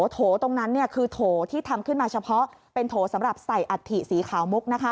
โถตรงนั้นคือโถที่ทำขึ้นมาเฉพาะเป็นโถสำหรับใส่อัฐิสีขาวมุก